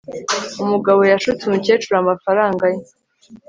Umugabo yashutse umukecuru amafaranga ye